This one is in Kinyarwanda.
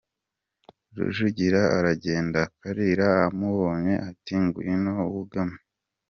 Rujugira aragenda, Kalira amubonye ati "Ngwno wugame".